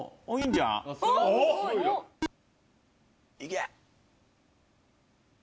いけ！